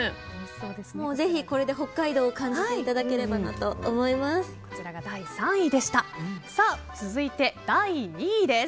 ぜひ、これで北海道を感じていただければと思います。